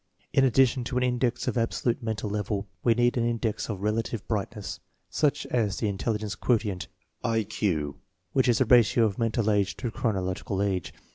In addition to an index of absolute mental level, we need an index of relative brightness. Such is the intelli gence quotient (I Q), which is the ratio of mental age to chronological age.